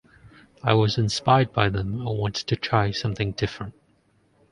I was inspired by them and wanted to try something different.